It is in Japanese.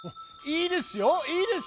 いいですよ！